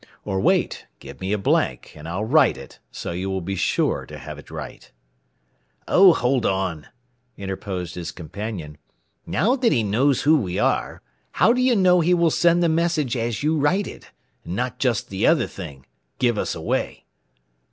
"Or wait, give me a blank, and I'll write it, so you will be sure to have it right." "Oh, hold on," interposed his companion. "Now that he knows who we are, how do you know he will send the message as you write it, and not just the other thing give us away?"